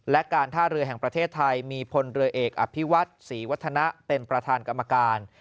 และการท่าเรือแห่งประเทศไทยมีพลเรือเอกอภิวัฒน์ศรีวัฒนะเป็นประธานกรรมการ